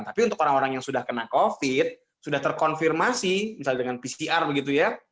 tapi untuk orang orang yang sudah kena covid sudah terkonfirmasi misalnya dengan pcr begitu ya